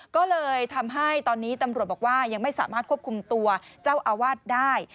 ก็เลยทำให้ตอนนี้ตำรวจบอกว่ายังไม่สามารถควบคุมตัวเจ้าอาวาสได้